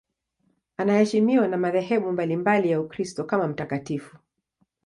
Anaheshimiwa na madhehebu mbalimbali ya Ukristo kama mtakatifu.